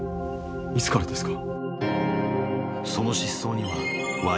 いつからですか？